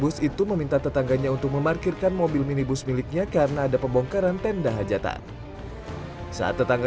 jadi dia itu nggak bisa bawa metik atau gimana bang